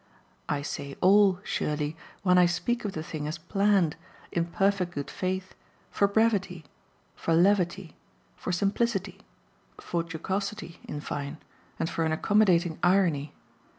I say all, surely, when I speak of the thing as planned, in perfect good faith, for brevity, for levity, for simplicity, for jocosity, in fine, and for an accommodating irony.